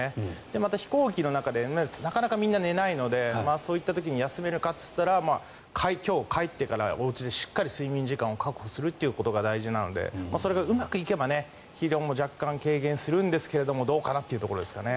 また飛行機の中でなかなかみんな寝ないのでそういった時に休めるかといったら今日、帰ってからおうちでしっかり睡眠時間を確保することが大事なので、それがうまくいけば疲労も若干、軽減するんですがどうかなというところですかね。